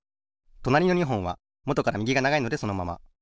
となりの２ほんはもとからみぎがながいのでそのまま。